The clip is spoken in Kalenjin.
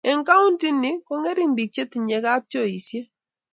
Eng kauntii nik ko ng'ering biik che tinye kapchoisye.